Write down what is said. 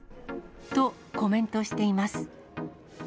と、コメントしています。